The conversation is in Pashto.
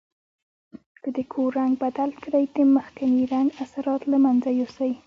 که د کور رنګ بدل کړئ د مخکني رنګ اثرات له منځه یوسئ.